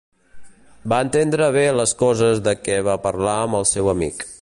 Va entendre bé les coses de què va parlar amb el seu amic.